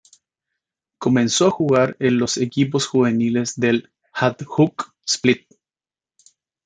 Comenzó a jugar en los equipos juveniles del Hajduk Split.